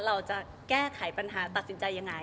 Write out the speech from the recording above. เราจะแก้ไขปัญหาตัดสินใจยังไง